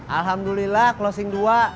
alhamdulillah closing dua